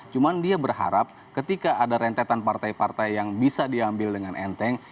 cuma dia berharap ketika ada rentetan partai partai yang bisa diambil dengan enteng